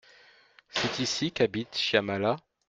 C’est ici qu’habite Shyamala ?